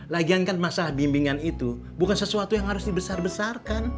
lagian kan masalah bimbingan itu bukan sesuatu yang harus dibesar besarkan